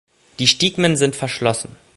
Die Stigmen sind verschlossen.